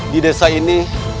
di desa ini